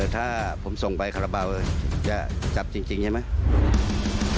ถ้าผมส่งไปคาราบาลจะจับจริงใช่ไหม